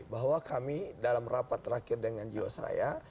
bahwa kami dalam rapat terakhir dengan jiwasraya